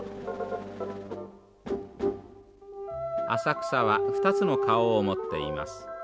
浅草は２つの顔を持っています。